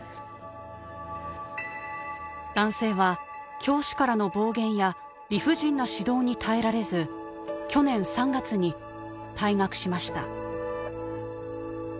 男性は教師からの暴言や理不尽な指導に耐えられず去年３月に退学しました。